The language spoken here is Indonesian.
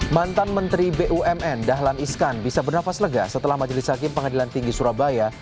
mantan menteri bumn dahlan iskan bisa bernafas lega setelah majelis hakim pengadilan tinggi surabaya